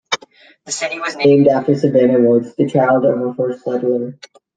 The city was named after Savannah Woods, the child of a first settler.